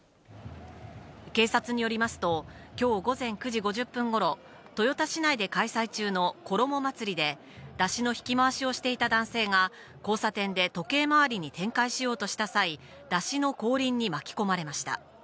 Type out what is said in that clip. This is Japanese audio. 警察によりますと、きょう午前９時５０分ごろ、豊田市内で開催中の拳母祭りで、山車の引き回しをしていた男性が、交差点で時計回りに転回しようとした際、山車の後輪に巻き込まれました。